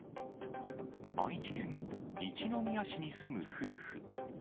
愛知県一宮市に住む夫婦。